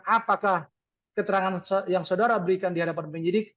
apakah keterangan yang saudara berikan di hadapan penyidik